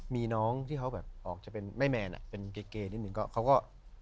มีน้องที่เขาแบบออกจะเป็นแม่แมนเป็นเกนิดนึงก็เขาก็